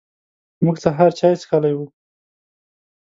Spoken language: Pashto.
موږ سهار چای څښلی و.